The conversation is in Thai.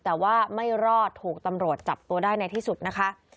แต่ว่าไม่รอดถูกตำรวจจับตัวได้ในที่สุดนะคะ